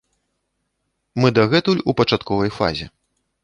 Мы дагэтуль у пачатковай фазе.